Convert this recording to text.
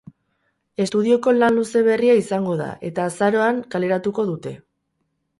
Estudioko lan luze berria izango da eta azaroan kaleratuko dute.